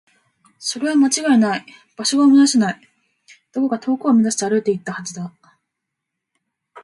それは間違いない。場所が思い出せない。どこか遠くを目指して歩いていったはずだ。